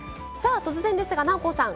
突然ですが南光さん